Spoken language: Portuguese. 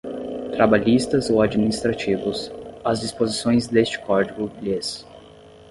trabalhistas ou administrativos, as disposições deste Código lhes